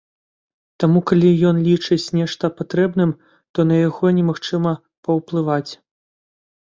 Таму калі ён лічыць нешта патрэбным, то на яго немагчыма паўплываць.